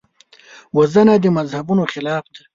وژنه د مذهبونو خلاف ده